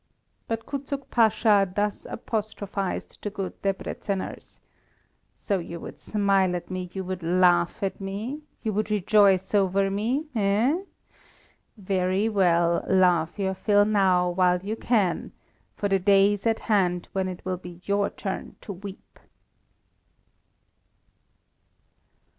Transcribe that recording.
But Kuczuk Pasha thus apostrophized the good Debreczeners: "So you would smile at me, you would laugh at me? You would rejoice over me, eh? Very well, laugh your fill now while you can, for the day is at hand when it will be your turn to weep."